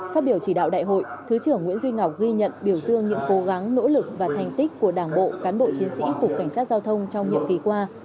phát biểu chỉ đạo đại hội thứ trưởng nguyễn duy ngọc ghi nhận biểu dương những cố gắng nỗ lực và thành tích của đảng bộ cán bộ chiến sĩ cục cảnh sát giao thông trong nhiệm kỳ qua